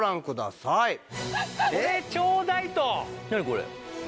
これ。